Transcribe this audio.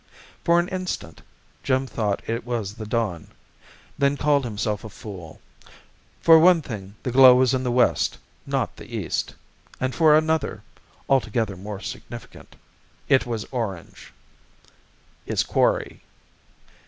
For an instant Jim thought it was the dawn, then called himself a fool. For one thing, the glow was in the west, not the east. And for another, altogether more significant, it was orange. His quarry!